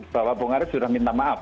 bahwa bung arief sudah minta maaf